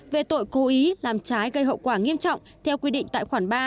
về tội cố ý làm trái gây hậu quả nghiêm trọng theo quy định tại khoản ba